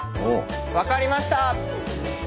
分かりました！